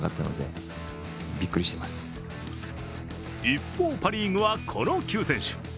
一方、パ・リーグはこの９選手。